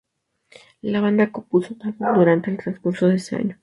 La banda compuso un álbum durante el transcurso de ese año.